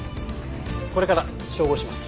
これから照合します。